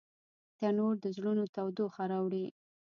تنور د زړونو تودوخه راوړي